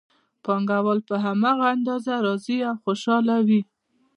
پانګوال په هماغه اندازه راضي او خوشحاله وي